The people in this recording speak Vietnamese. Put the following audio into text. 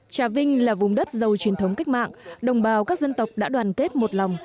trà vinh là vùng đất giàu truyền thống cách mạng đồng bào các dân tộc đã đoàn kết một lòng